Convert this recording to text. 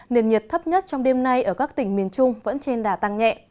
nền nhiệt thấp nhất trong đêm nay ở các tỉnh miền trung vẫn trên đà tăng nhẹ